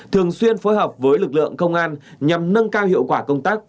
thường xuyên phối hợp với lực lượng công an nhằm nâng cao hiệu quả công tác